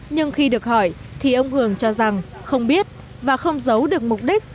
nhưng khi được hỏi thì ông hường cho rằng không biết và không giấu được mục đích